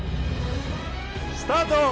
スタート！